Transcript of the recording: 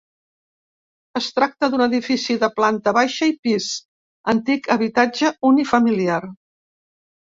Es tracta d'un edifici de planta baixa i pis, antic habitatge unifamiliar.